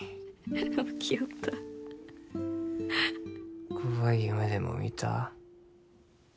起きよった怖い夢でも見た？